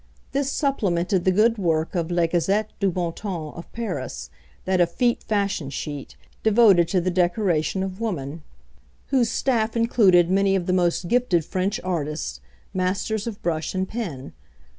This supplemented the good work of le Gazette du Bon Ton of Paris, that effete fashion sheet, devoted to the decoration of woman, whose staff included many of the most gifted French artists, masters of brush and pen.